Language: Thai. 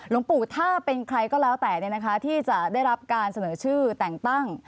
หลวงปู่ถ้าเป็นใครก็แล้วแต่ที่จะได้รับการเสนอชื่อแต่งตั้ง